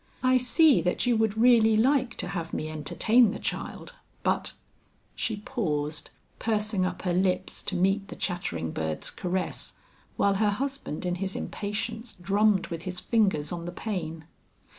"I see that you would really like to have me entertain the child; but " She paused, pursing up her lips to meet the chattering bird's caress, while her husband in his impatience drummed with his fingers on the pane.